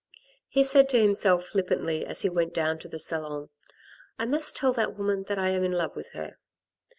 He said to himself flippantly, as he went down to the salon, " I must tell that woman that I am in love with her."